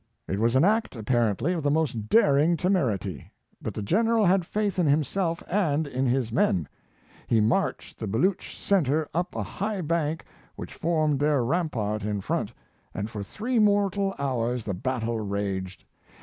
It was an act, apparently, of the most daring temerity, but the General had faith in himself and in his men. He charged the Belooch centre up a high bank which formed their rampart in front, and for three mor tal hours the battle raged.